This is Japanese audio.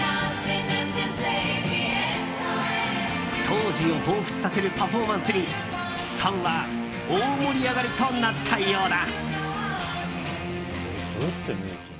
当時をほうふつとさせるパフォーマンスにファンは大盛り上がりとなったようだ。